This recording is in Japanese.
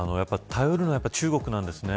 頼るのは中国なんですね。